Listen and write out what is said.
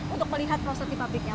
untuk melihat proses di pabriknya